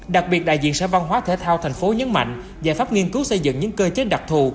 đặc biệt đại diện sở văn hóa thể thao thành phố nhấn mạnh giải pháp nghiên cứu xây dựng những cơ chế đặc thù